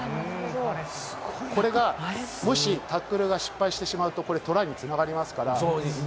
これがもしタックルが失敗してしまうと、これがトライに繋がりますから。